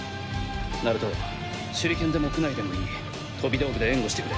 ナルト手裏剣でもクナイでもいい飛び道具で援護してくれ。